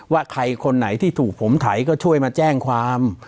ว่าใครคนไหนที่ถูกผมไถก็ช่วยมาแจ้งความ